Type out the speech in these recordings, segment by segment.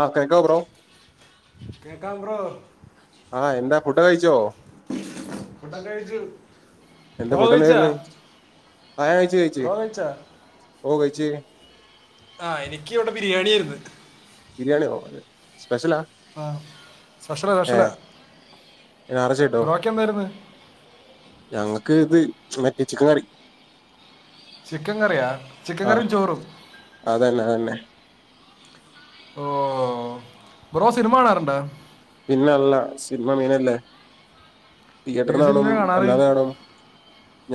ആഹ് കേക്കാ വോ ബ്രോ. കേക്കാം ബ്രോ ആ എന്താ ഫുഡ് കഴിച്ചോ ഫുഡ് കഴിച്ചു മോൻ കെഴിച്ചോ ആ കയ്ച്ച് കയ്ച്ച് ഓ കയ്ച്ച് ആ എനിക്ക് ഇവിടെ ബിരിയാണി ആയിര്ന്ന് ബിരിയാണിയോ സ്പെഷലാ ആ സ്പെഷലാ സ്പെഷലാ ഞായറാഴ്ചയായിട്ടോ ബ്രോക്ക് എന്തായിരുന്നു ഞങ്ങക്ക് ഇത് മറ്റേ ചിക്കൻ കറി ചിക്കൻ കറിയാ ചിക്കൻ ആഹ് കറിയും ചോറും അതന്നെ അതന്നെ ഓ ബ്രോ സിനിമ കാണാറുണ്ടാ പിന്നെല്ല സിനിമ മെയ്നല്ലേ തിയേറ്ററി ഏത് കാണും സിനിമയാണ് കാണാറ് അല്ലാതെ കാണും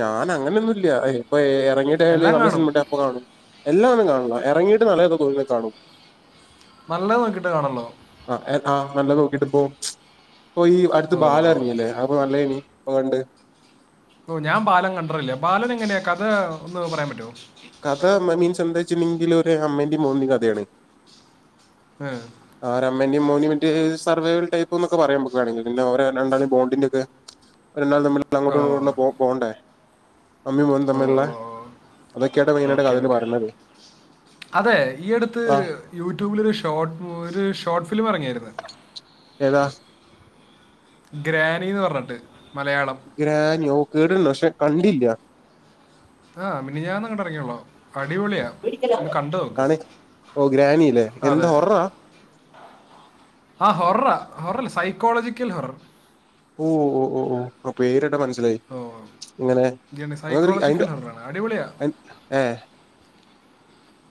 ഞാൻ അങ്ങനെയൊന്നും ഇല്ല ഇപ്പൊ എറങ്ങീട്ട് എതേലും എല്ലാം നല്ല കാണും സിനിമ ട്ടാ കാണും എല്ലാം ഒന്നും കാണില്ല എറങ്ങിയിട്ട് നല്ലത് തോന്നുന്നത് കാണും നല്ലത് നോക്കീട്ടേ കാണല്ലോ ആ ആ നല്ലത് നോക്കീട്ട് ഇപ്പൊ ഇപ്പൊ ഈ അടുത്ത് ഓ ബാല എറങ്ങിയല്ലേ അപ്പൊ നല്ലയനീ ഓ ണ്ട് ഓ ഞാൻ ബാലൻ കണ്ടറില്ല ബാലൻ എങ്ങനെയ കഥ ഒന്ന് പറയാൻ പറ്റുവോ കഥ മീൻസ് എന്താ വെച്ച്ണ്ടെങ്കില് ഒരു അമ്മന്റെയും മോന്റേയും കഥയാണ് ഹ് ആര അമ്മന്റേം മോന്റേം മറ്റെ സർവൈൽടൈപ്പ് ന്നൊക്കെ പറയാ നമ്മക്കു വേണെങ്കിൽ പിന്നെ ഓരെ രണ്ടാളിന്റേം ബോണ്ടിന്റെ ഒക്കെ അവര് തമ്മിൽ ഓ അങ്ങോട്ടും ഇങ്ങോട്ടും പോ പോകണ്ടേ അമ്മിം മോനും ഓ ഓ തമ്മിലുള്ള അതൊക്കെയാണ് മെയിനായിട്ട് ഓക്കെ കഥയിൽ ഓക്കെ പറയണത് അതെ ഈയടുത്ത് ആ യൂട്യൂബിലൊരു ഷോട്ട് മൂ ഒരു ഷോർട്ട് ഫിലിം ഇറങ്ങിയാരുന്നു ഏതാ ഗ്രാനിന്ന് പറഞ്ഞിട്ട് മലയാളം ഗ്രാനിയോ ഓ കേട്ടിണ്ട് പക്ഷെ കണ്ടില്ല്യ ആ മിനിഞ്ഞാന്ന് എങ്ങാണ്ട് എറങ്ങിയോള്ളോ അടിപൊളിയാ ഒന്ന് കണ്ടു നോക്ക് ആണോ ഓ ഗ്രാനില്ലേ എന്താ അതെ ഹൊററാ ആ ഹൊററാ ഹൊറൽ സൈക്കോളജിക്കൽ ഹൊറർ ഓ ഓ ഓ ഓ ആ പേര് കേട്ടപ്പൊ മനസ്സിലായി ഓ ഇങ്ങനെ ഇതന്നെ അങ്ങനത്തെ ഒരു സൈക്കോളജിക്കൽ അതിന്റെ ഹൊററാണ് അടിപൊളിയാ അയി- ഏ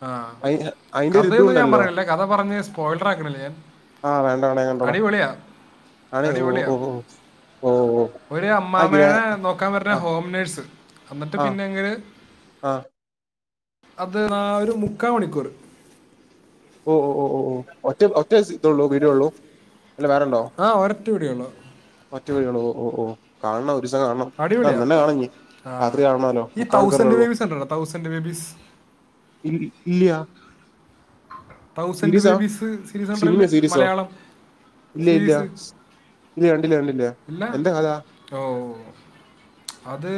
ആ അയി- അതിന്റെ ഒരു ഇതും കഥയൊന്നും ഞാൻ ഉണ്ടല്ലോ പറയണില്ല കഥ പറഞ്ഞ് സ്പോയ്ഡർ ആക്ക്ണില്ല ഞാൻ ആ വേണ്ട ഞാന് കണ്ടോള അടിപൊളിയാ ഞാന് ഓ അടിപൊളിയാ ഓ ഓ ഓ ഓ ഒരു ആ ഗ്രാ അമ്മാമേനെ നോക്കാൻ വര്ന്ന ആ ഹോം നേഴ്സ് എന്നിട്ട് ആ പിന്നെ ങ്കട് ആ അത് നാര് മുക്കാൽ മണിക്കൂറ് ഓ ഓ ഓ ഒ ഒറ്റ ള്ളൂ വീടിയൊള്ളൂ അല്ല വേറെണ്ടോ ആഒരൊറ്റ വീഡിയേയുള്ളു മറ്റു വഴികൾ ഓ ഓ ഓ കാണണം ഒരു ദിസം കാണണം അടിപൊളിയാ ആന്നല്ലെ കാണണം ഇനി ആ ഈ തൗസൻറ് ബേബീസ് കണ്ടിട്ടുണ്ടൊടാ തൗസൻറ് ബേബീസ് ഇ ഇ ഇല്ല്യ തൗസൻഡ് സീരീസാ ബേബീസ് സിനി സെൻററിൽ സിനിമയോ സീരീസോ മലയാളം ഇല്ല ഇല്ല സീരീസ് ഇല്ല കണ്ടില്ല കണ്ടില്ല ഇല്ല എന്താ കഥ ഓ ഓ അത്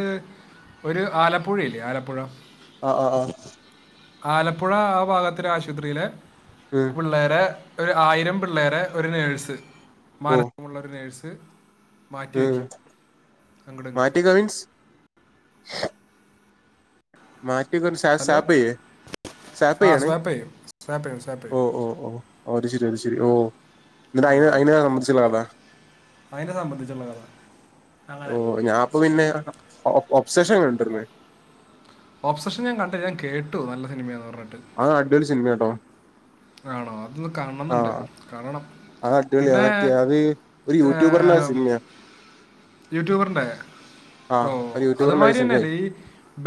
ഒരു ആലപ്പുഴയില്ലേ ആലപ്പുഴ ആ ആ ആ ആലപ്പുഴ ആ ഭാഗത്തിലെ ആശുപത്രിയിലെ ഉം പിള്ളേരെ ഒരു ആയിരം പിള്ളേരെ ഒരു നേഴ്സ് ഓ മാനസമുള്ള ഒരു നേഴ്സ് മാറ്റി ഉം വയ്ക്കും അങ്ങോട്ടും മാറ്റ ഇങ്ങോട്ടും കവിൻസ് ഹലോ [unintelligible] ഷാപ്പ് ആ യെണേ സ്വാപ്പ് ചെയ്യും സ്വാപ്പ് ചെയ്യും സ്വാപ്പ് ഓ ചെയ്യും ഓ ഓ ഓ അത് ശരി അത് ശരി ഓ എന്നിട്ട് അയിന് അതിനെ സമ്മന്തിച്ചുള്ളതാണോ അയിനെ സംബന്ധിച്ചുള്ള കഥ ഓ ഞാൻ അപ്പൊ പിന്നെ എറങ്ങും ഒബ്സെക്ഷൻ കിട്ടും ഓബ്സഷൻ ഞാൻ കണ്ടില്ല ഞാൻ കേട്ടു നല്ല സിനിമയന്ന് പറഞ്ഞിട്ട് അത് അടിപൊളി സിനിമയാട്ടോ ആണോ അതൊന്ന് ആ കാണണംന്നുണ്ട് കാണണം അത് അടിപൊളിയാ പിന്നെ മറ്റേ അത് ഒരു യൂട്യൂബറിന്റെ ഏം, സിനിമയാ യൂട്യൂബറിന്റെ ഓ ആഹ് ഒരു അത്‌ യൂട്യൂബർ ലൈസൻസ് മാരിന്നെയല്ല ഈ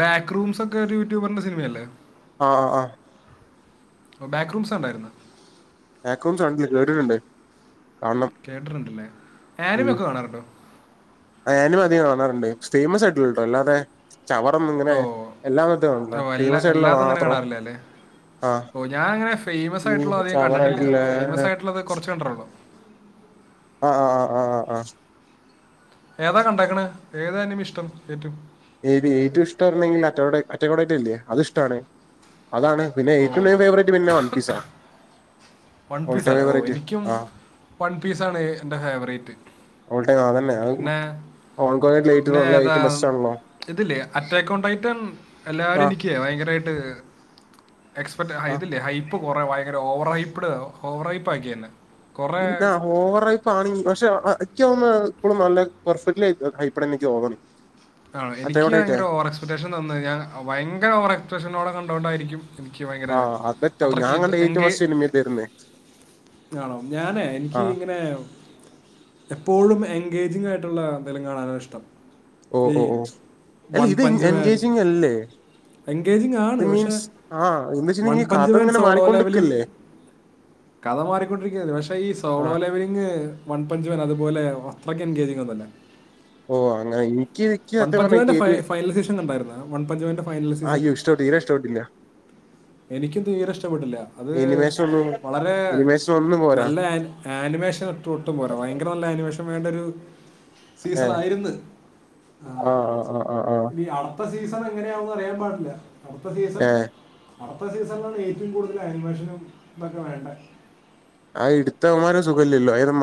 ബാക്ക്റൂംസ് ഒക്കെ ഒരു യൂട്യൂബറിന്റെ സിനിമയല്ലേ ആ അഹ് ബാക്ക്റൂംസ് കണ്ടായിരുന്നോ ബാക്ക് റൂംസ് ആണെങ്കി കേട്ടിട്ടുണ്ട് കാണണം കേട്ടിട്ടുണ്ടല്ലേ ആനിമെക്കെ കാണാറുണ്ടോ? ആനിമ അധികം കാണാറുണ്ട് സ്‌റ്റിമസ് ആയിട്ട്ള്ളത് ട്ടോ അല്ലാതെ ചവറൊന്നുംഇങ്ങനെ ഓ എല്ലാ മറ്റേ [unintelligible] ഓ എല്ലാ ഫേമസ് ആയിട്ടുള്ള എല്ലാതും അങ്ങനെ മാത്രം കാണാറില്ല അല്ലേ ആഹ് ഓ ഞാന അങ്ങനെ ഫേമസ് ഈ ആയിട്ടുള്ളത് അധികം കണ്ടിട്ടില്ല ചവറായിട്ടുള്ള ഫേമസ് ആയിട്ടുള്ളത് കൊറച്ച് കണ്ടിട്ടുള്ളു. അ അ അ അ അ അഹ് ഏതാ കണ്ടേക്കണേ ഏതാ അനിമിഇഷ്ടം ഏറ്റും ഏത് ഏറ്റും ഇഷ്ടമായിരണെങ്കിൽ അറ്റോകോടെ അറ്റോകോടെല്ലേ അത് ഇഷ്ട്ടാണ്. അതാണ് പിന്നെ ഓ ഏറ്റവും മെയിൻ ഫേവറേറ്റ് പിന്നെ വൺ പിസാണ്. വൺ പീസ് അല്ലേ ഓ എനിക്കും വൺ പീസ ആണ് എന്റെ ഫേവറേറ്റ് ഓൾടൈ ആ അതന്നെ പിന്നെ ഓൾ കോ ലേറ്റ് ന്ന് പിന്നെ പറഞ്ഞാ ഏതാ ഏറ്റും ബെസ്റ്റ് ആണല്ലോ ഇതില്ലേ അറ്റക്ക് കോണ്ടായിട്ടൻ എല്ലാവരും ആഹ് എനിക്ക് ഭയങ്കരായിട്ട് എക്സ്പെക്ട് ഹൈ ആഹ് ഇല്ലേ ഹൈപ്പ് കുറേ ഭയങ്കര ഓവർ ഹൈപ്പ് ഓവർ ഹൈപ്പ് ആക്കി എന്നെ [unintelligible] ഓവറയിപ്പാണങ്കി പക്ഷെ ഇക്കോന്നേ ഇപ്പോഴും നല്ല പെർഫെക്റ്റ്ലി ഹൈപ്പർ നിക്ക് തോന്ന്ണേ ആണോ എനിക്ക് ഭയങ്കര ഓവർ എക്സ്പെക്ടേഷൻ തന്നുയ്ഞ്ഞാ ഭയങ്കര ഓർ എക്സ്പെക്ഷനോടെ കണ്ടോണ്ടായിരിക്കും എനിക്ക് ഭയങ്കര ആഹ് അതറ്റാവും ഞാൻ അത്രക്ക് കണ്ട ഏറ്റവും എങ്കേ ഫസ്റ്റ് സിനിമ ഇതായിരുന്നേ ആമ് ഞാനേ എനിക്ക് ആഹ് ഇങ്ങനെ എപ്പോഴും എൻഗേജിങ് ആയിട്ടുള്ള എന്തെങ്കിലും കാണാനിഷ്ട്ടം ഓ ഈ ഓ ഓ അല്ല ഇത് എൻ പഞ്ച് മാൻ എൻഗേജിങ് അല്ലേ എൻഗേജിങ് ആണ് ഇത് പക്ഷെ മീൻസ് ആഹ് എന്തന്ന് വൺ വെച്ചിണ്ടെങ്കിൽ പഞ്ച് കഥ മാൻ ഇങ്ങനെ സോളോ ലെവലിംഗ് മാറിക്കൊണ്ടിക്കല്ലേ? കഥ മാറിക്കൊണ്ടിരിക്കയാണ് പക്ഷേ ഈ സോളോ ആഹ് ലെവലിംഗ് വൺപഞ്ചബൻ അതുപോലെ അത്രക്ക് എൻഗേജിങ് ഒന്നുല്ല. ഓ അങ്ങനെ എനിക്ക് വൺ സത്യം പറഞ്ഞ പഞ്ചവന്റെ എനിക്ക് ഫ ഏറ്റവും ഫൈനൽ സീസൻ കണ്ടായിരുന്നോ വൺ പഞ്ചവന്റെ ഫൈനൽ സീസൺ അയ്യോ ഇഷ്ടപ്പെട്ട തീരെ ഇഷ്ടപ്പെട്ടില്ല എനിക്കും തീരെ ഇഷ്ടപ്പെട്ടില്ല അത് എനിമേഷൻ ഒന്നും വളരെ എനിമേഷൻ ഒന്നും പോരാ നല്ല ആൻ ആനിമേഷൻ ഇട്ട ഒട്ടും പോലെ ഭയങ്കര നല്ല ആനിമേഷൻ വേണ്ട ഒരു സീസൺ ഏഹ് ആയിരുന്നു. ആഹ് അ അ ആഹ് പ്പ സീസൺ എങ്ങനെയാവൂന്ന് അറിയാൻ പാടില്ല. അടുത്ത സീസൺ ഏഹ് അടുത്ത സീസണിലാണ് ഏറ്റവും കൂടുതൽ ആനിമേഷനും ഇതൊക്കെ വേണ്ടേ ആ എടുത്തവമാര സുഖല്ലല്ലോ അത്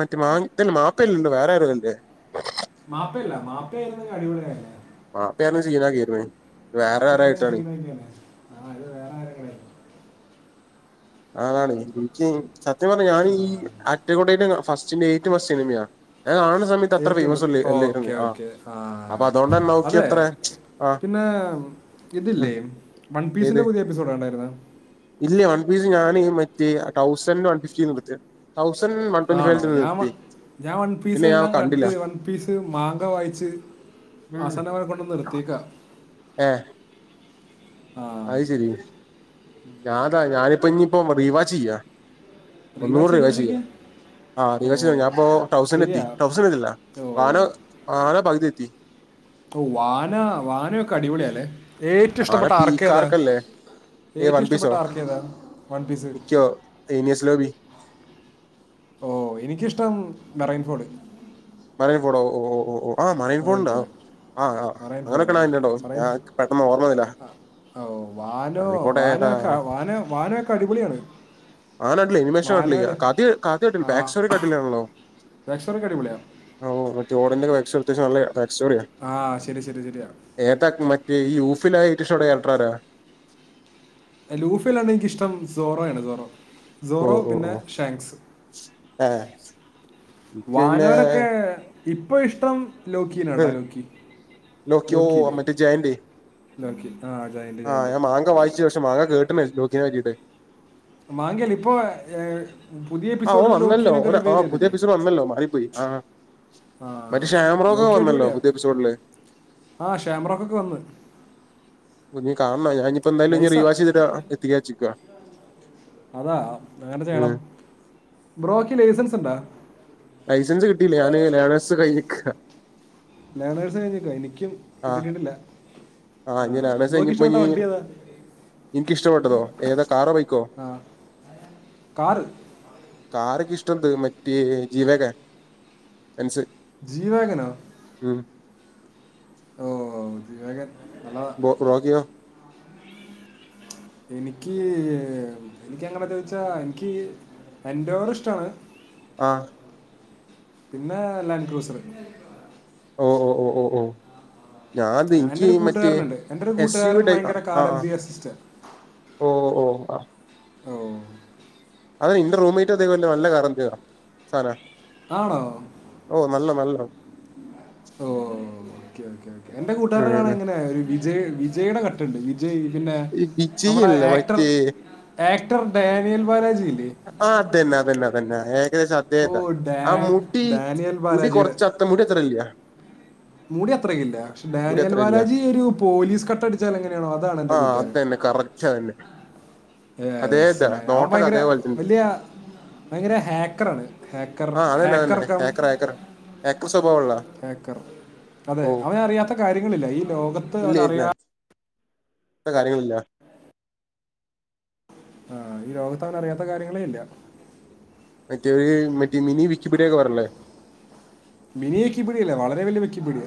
മറ്റേ മാ ഇല്ലേ മാപ്പല്ലല്ലോ വേറെ ആരോല്ലേ മാപ്പയല്ല മാപ്പയായിരുന്നങ്കിൽ അടിപൊളിയായേന് മാപ്പയായിരുന്നാ ചീന കീർനേ ത് വേറേവേറെയായിട്ടാണ്. തിനെ ആ ഇത് വേറെ ആരെങ്കിലു ആയിരിക്കും ആതാണ് എനിക്ക് സത്യം പറഞ്ഞു ഞാൻ ഈ അറ്റക്കുടെനെ കാ ഫസ്റ്റിന് എയ്റ്റ് ഫസ്റ്റ് സിനിമയാ ഞാൻ കാണുന്ന സമയത്ത് അത്ര ഏറ്റവും ഫേമസ് ബസ് അല്ലേ അല്ലായിരുന്നു ഓക്കെ ഓക്കേ ആ അപ്പൊ അതുകൊണ്ടന്നെ നോക്കി അതെ അത്ര ആ പിന്നെ മ് ഇതില്ലേ മൽപീസിന്റെ പുതിയ എപ്പിസോഡ് കണ്ടായിരുന്നാ? ഇതില്ലേ വൺ പീസ് ഞനീ മറ്റേ തൗസൻല് വൺ ഫിഫ്റ്റിന്ന്ല്ട്ത്തെ തൗസർ വ ആണോ ഞാവ ഞാൻ വൺ പീസ് ഞാൻ എല്ലാം കണ്ടില്ല കണ്ട് വൺ പീസ് മാങ്ക വായിച്ച് ആവസാനവരെ കൊണ്ട് നിർത്തിയെക്ക ഏഹ് ആഹ് അയ്ശരി ഞാന്താ ഞാനിപ്പോനിപ്പോ റീവാച്ച് ചെയ്യാ. റീവാച്ച് ഒന്നുകൂടെ റിവാച്ച് ചെയ്യാ ചെയ്തോണ്ടിരിക്യാ? ആ ദീവേഷേ ഞാപ്പോ തൗസന്റെത്തി. തൗസന്റെതില്ല ഓ വാനോ വാനോപകുതി എത്തി ഓ വാന വാനൊക്കെ അടിപൊളിയാല്ലേ? ഏറ്റവും ആന ഇഷ്ടപ്പെട്ട ആർക്കേതാ? പീക്കാർക്കല്ലേ ഏ ഏറ്റവും വൺ പീസോ ഇഷ്ടപ്പെട്ട ആർക്കേതാ വൺപീസ്? ദേമിയസ്ലോവ്ലി ഓ എനിക്കിഷ്ടം മെറൈൻ ഫോളി മറെയിൻ ഫോടോ ഓ ഓ ഓഓ ആ മറെയിൻ മെറൈൻ ഫോട്ണ്ടാവും. ഫോർഡ് ആഹ് ആഹ് മെറൈൻ ഫോർഡ് മെറൈൻ അങ്ങനെയൊക്കെയാണെങ്കിലാട്ടോ മെറൈൻ ഞാൻ പെട്ടെന്ന് ഓർമ്മ വര അയിക്കോട്ടെ ഏന്ന വാന് വനൊക്കെ അടിപൊളിയാണ് ആ നാട്ടില്ലേ എനിമേഷൻട്ടില്ലെ വാനോല് കാത്തി കാട്ടിലിൽ പാക്ക്സ്കട്ടില്ലാണല്ലോ റക്സ്സൊറിനടിപൊളിയാ. ആവോ മറ്റെ ഓടിന്റെ വൈബ്സ് അത്യാവശ്യാണല്ലേ റക്സോറിയ ആഹ് ശരി ശരി ശരിയാ. ഏതാക്കി മാറ്റിയെ ഈ ഊഫില ഏറ്റഷോടെ എത്രയട ലൂഫിലാണ് എനിക്കിഷ്ടം സോറോയാണ് സോറോ ഓ സോറോ ഓ പിന്നെ ഓ ഷാങ്ക്സ് [unintelligible] എനിക്ക് പിന്നെ വാനോലൊക്കെ ഇപ്പൊ ഇഷ്ടം ലോക്കീനട്ടോ ലൊക്കി ലോക്കി ഓ മറ്റേ ജയന്റ് ആഹ് ഞാൻ [unintelligible] മാങ്ക വായിച്ചു പക്ഷെ മാങ്ങ കേട്ട് ലോക്കിനാക്കിട്ട് മാങ്കല് ഇപ്പൊ ഏഹ് പുതിയ ആ ഓൻ എപ്പിസോഡില് വന്നല്ലോ ലോക്കിനൊക്കെ ഓന് ആ പുതിയ റിവേലെയ്തില്ലേ എപ്പിസോഡ് വന്നല്ലോ മാറിപ്പോയി ആ മറ്റേ ആഹ് ഷാംറോക്കൊക്കെ നോക്കിയ വന്നല്ലോ അടിപൊളിയാ പുതിയ എപ്പിസോഡില് ആഹ് ഷാമറക്കൊക്കെ വന്ന് ഇക്ക് കാണണം ഞാനിഞ്ഞ്പ്പം തന്നെ നൈസാ റീവാഷ് ചെയ്തിട്ട് എത്തിക്കാച്ചിര് ക്കാ. അതാ അ അങ്ങനെ ചെയ്യണം. ഉം ബ്രോക്ക് ലൈസൻസ് ണ്ടോ? ലൈസൻസ് കിട്ടിയില്ലേ ഞാന് ലേണേഴ്‌സ് കഴിഞ്ഞ്ക്കാ. ലേണേഴ്സ് കഴിഞ്ഞ്ക്ക എനിക്കും ആഹ് കിട്ടീട്ടില്ല ആഹ് ഇഞ്ഞ് ലേണേഴ്‌സ് കഴിഞ്ഞപ്പഞ്ഞ് ഇൻക്കിഷ്ടപ്പെട്ടതോ ഏതാ കാറോ ബൈക്കോ? ആ കാറ് കാറ്ൻക്ക് ഇഷ്ടണ്ട് മറ്റേ ജീവക്കെ ബെൻസ് ജീവകനാ ഉം ഓഹ് ജീവകൻ [unintelligible] ഹോ ബാക്കിയോ എനിക്ക് എനിക്ക് അങ്ങനെ ചോയ്ച്ചാ എനിക്ക് എൻ്റോവർ ഇഷ്ടാണ്. ആ പിന്നെ ലാൻക്രൂസർ ഓ ഓ ഓ ഓ ഞാൻ എൻ്റെ ഇൻക്ക് ഒരു മറ്റേ കൂട്ടുകാരനുണ്ട് എൻ്റെ ഒരു എസ്യു കൂട്ടുകാരൻ ടൈ ഭയങ്കര ആ കാർ അസിസ്റ്റർ ഓഹ് ഓഹ് അ ഓ അത്ൻ്റെ റൂമേറ്റ് അതേപോലെ തന്നെ നല്ല [unintelligible] [unintelligible] ആണോ? ഓ നല്ല നല്ലോണം ഓ ഓ ഓ ഓ എന്റെ ഉം കൂട്ടുകരുടെ കാണൻ ഉം എങ്ങനെയ ഒരു വിജ വിജയുടെ കട്ടുണ്ട്. ജയ് പിന്നെ ഈ നമ്മുടെ വിജയല്ലേ ആക്ടർ മറ്റേ ആക്ടർ ഡാനിയൽ ബാലാജില്ലേ? ആ അതന്നെ അതന്നെ അതന്നെ ഏകദേശം ഓ അദ്ദേഹതാ ഡാ ആ മുടി ഡാനിയൽ മുടി ബാലാജിയുടെ കൊറച്ച് മുടി അത്രയില്ല. മൂടി അത്രയ്ക്കില്ല. പക്ഷെ മുടി ഡാനിയൽ അത്ര ഇല്ല ബാലാജി ഒരു പോലീസ് കട്ടടിച്ചാൽ എങ്ങനെയാണോ അതാണ് എൻന്റെ കൂട്ടുകാരൻ അ തന്നെ അതെതാ ഡാ- അവൻ നോട്ടൊക്കെ ഭയങ്കര അതേലെ. വലിയ ഭയങ്കര ഹാക്കറാണ് ഹാക്കർ ഹാക്കറക്ക. എക്കു സവ ഉള്ളോ ഏക്കർ അതെ അവന അറിയാത്ത കാര്യങ്ങളില്ല ഈ ലോകത്ത് ഇല്ല അവൻ ഇല്ല അറിയാ ഇത്ര കാര്യങ്ങളില്ല. ആഹ ഈ ലോകത്ത് അവന അറിയാത്ത കാര്യങ്ങളേ ഇല്ല. മറ്റേരു മറ്റേ മിനി വിക്കിപീഡിയൊക്കെ പറഞ്ഞല്ലേ. മിനിയ വെക്കി പിടിയല്ലേ വളരെ വലിയ വെക്കിപ്പടിയ.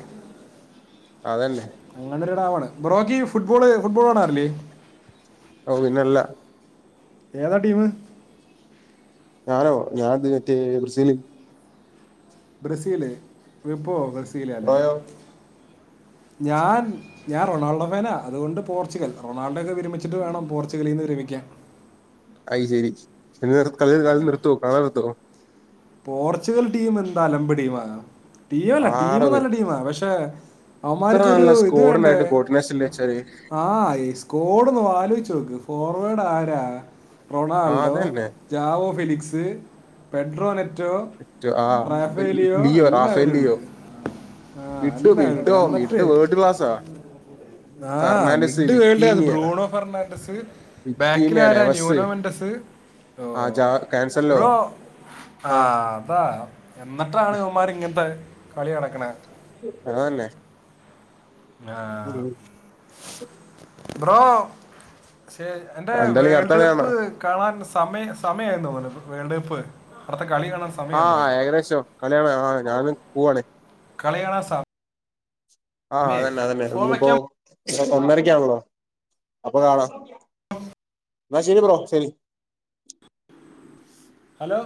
തന്നെ. അങ്ങനൊടടാവണ് ബ്രോക്ക് ഫുട്ബോള് ഫുട്ബോൾ കാണാറില്ലേ അത് പിന്നല്ലാ. ഏതാ ടീമ്. ഞാനോ ഞാൻത് മറ്റേ ബ്രസീലിൽ. ബ്രസീല് വിപ്പോ ബ്രസീല അല്ലെ ബ്രോയോ ഞാൻ ഞാൻ റൊൾഡോ ഫേന അതുകൊണ്ട് പോർുഗൽ റൊഡ ഒക്കെ വിരമിച്ചിട്ട വേണം. പോച്ചുഗലിൽ നിന്ന് വിരമിക്കൻ. അയി ശരി ശ ക കിൽ നിർത്തുവോ കാണാൻ നിർത്തുവോ? പോർച്ചുഗൽ ടീം എന്താ അലമ്പ് ടീം ടീംല്ല ആട ടീം നല്ല ടീം പക്ഷെ എത്ര അമാർക്കൊരു നല്ല ഇത് വേണ്ടേ. സ്കോഡിനായിട്ട് കോർഡിനേഷൻ ഇല്ലേ വെച്ചാല് ആഹ യ് സ്കോഡന്ന് ആലോചിച്ചു നോക്ക് ഫോർവേഡ് ആരാ ആ റൊണാൾഡോ. അതന്നെ ജാവോ ഫിലിക്സ് പെഡ്രോനെറ്റ് [inaudible] ആഹ് റാഫേലിയോ ലിയോ റാഫേൽ ലിയോ എല്ലാവരുണ്ട്. ആഹ മിഡ് അല്ല മിഡോ മിഡ് വേൾഡ് ക്ലാസ്സാ [unintelligible] ആഹ് ഫെർണാണ്ടസ് മിഡ് വേൾഡ അത് വിറ്റീനിയ ബ്രൂണോ ഫെർണാണ്ടസ് ബാക്കിൽ വിറ്റീനിയ ആരാ നെവസ് ന്യൂനോമെൻ്റസ് ആ ജാ ക്യാൻസൽല്ലോ. ആ അതാ എന്നിട്ടാണ് ഉമാരി ഇങ്ങനത്തെ കളി കടക്കണ. ആന്നെ. ആഹ് ബ്രോ ശേ എന്റെ എന്തായാലും അടുത്ത വേൾഡ് കളി കാണാ കപ്പ് കാണാൻ സമയം സമയമായി തോന്ന വേൾഡ് കപ്പ് അടുത്തെ കളി കാണാൻ. സമയമായിരുന്നു ആഹ തോന്നുന്നു. ഏകദേശം കളിയാണ്. ആ ഞാനും പോവവാണേ. കളികാണ സാ ആഹ അതന്നെ അതന്നെ ഫോൺ ഇന്നിപ്പോ വെക്കാൻ ഒന്നരക്ക ആണ ബ്രോ അപ്പൊ കാണാം എന്നാ ശരി ബോ ശരി. ഹലോ